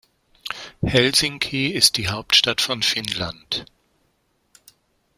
Helsinki ist die Hauptstadt von Finnland.